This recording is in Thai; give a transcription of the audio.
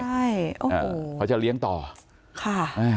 ใช่เขาจะเลี้ยงต่อค่ะ